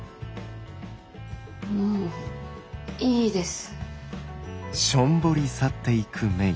もういいです。